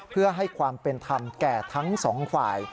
เพื่อให้ความเป็นธรรมแก่ทั้งสองฝ่าย